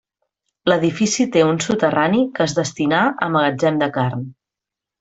L'edifici té un soterrani que es destinà a magatzem de carn.